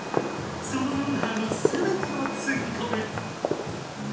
そのノウハウのすべてをつぎこむ！